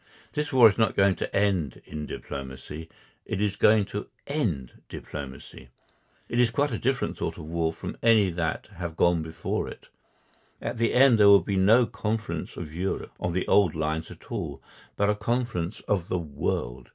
This war is not going to end in diplomacy; it is going to end diplomacy. It is quite a different sort of war from any that have gone before it. At the end there will be no Conference of Europe on the old lines at all, but a Conference of the World.